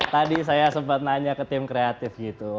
tadi saya sempat nanya ke tim kreatif gitu